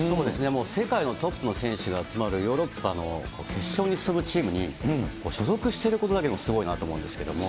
もう世界のトップの選手が集まるヨーロッパの決勝に進むチームに、所属していることだけでもすごいなと思うんですけども。